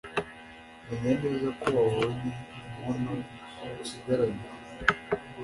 menya neza ko wabonye inkono usigaranye